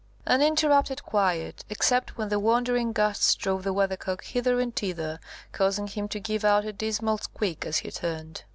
Uninterrupted quiet, except when the wandering gusts drove the Weathercock hither and thither, causing him to give out a dismal squeak as he turned.